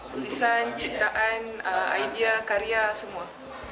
tulisan ciptaan idea karya semua